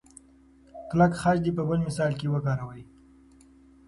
کلک خج دې په بل مثال کې وکاروئ.